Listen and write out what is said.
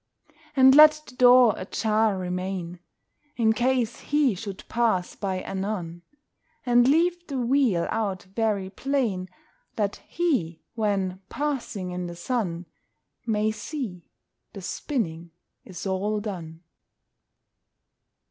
And let the door ajar remain, In case he should pass by anon; And leave the wheel out very plain, That HE, when passing in the sun, May see the spinning is all done.